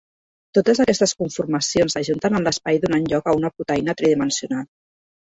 Totes aquestes conformacions s’ajunten en l’espai donant lloc a una proteïna tridimensional.